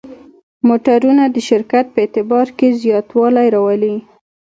موټرونه د شرکت په اعتبار کې زیاتوالی راولي.